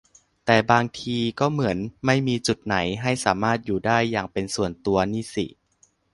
แต่บางทีก็เหมือนไม่มีจุดไหนให้สามารถอยู่ได้อย่างเป็นส่วนตัวนี่สิ